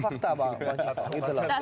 itu fakta bang ciko